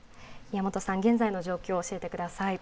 現在の状況を教えてください。